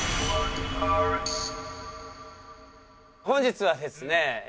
本日はですね